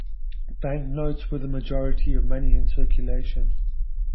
Banknotes were the majority of the money in circulation.